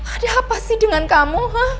ada apa sih dengan kamu